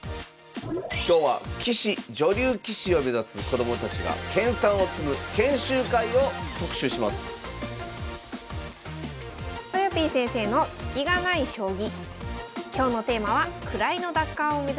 今日は棋士女流棋士を目指す子どもたちが研さんを積む研修会を特集しますとよぴー先生の「スキがない将棋」